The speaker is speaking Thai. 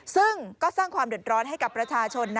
ซึ่งก็สร้างความเดือดร้อนให้กับประชาชน